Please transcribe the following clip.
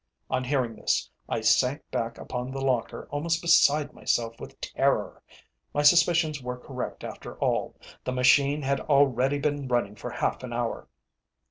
On hearing this, I sank back upon the locker almost beside myself with terror. My suspicions were correct after all. _The machine had already been running for half an hour.